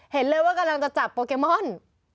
เห็นเลยว่ากำลังจะจับโปเกมอน